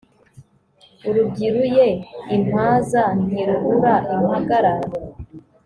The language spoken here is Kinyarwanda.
urubyiruye iimpaza ntirubura impagarara